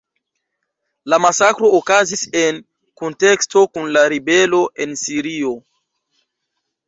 La masakro okazis en kunteksto kun la ribelo en Sirio.